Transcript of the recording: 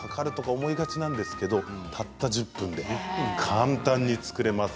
思いがちなんですがたった１０分で作れます。